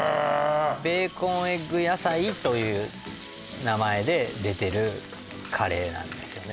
ベーコンエッグ野菜という名前で出てるカレーなんですよね